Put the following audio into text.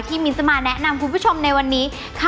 ที่มีนจะมาแนะนำคุณผู้ชมในวันนี้